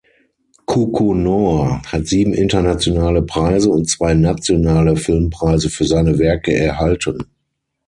Kukunoor hat sieben internationale Preise und zwei nationale Filmpreise für seine Werke erhalten.